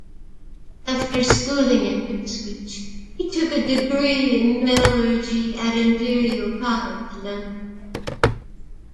After schooling at Ipswich, he took a degree in metallurgy at Imperial College, London.